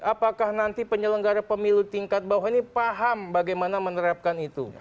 apakah nanti penyelenggara pemilu tingkat bawah ini paham bagaimana menerapkan itu